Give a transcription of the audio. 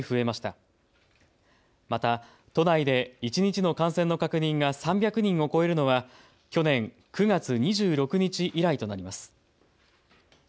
また、都内で一日の感染の確認が３００人を超えるのは去年９月２６日以来となります。